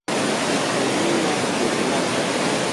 Tipaynima purinata,